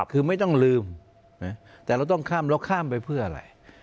คือไม่ต้องลืมแต่เราต้องข้ามเราข้ามไปเพื่ออะไร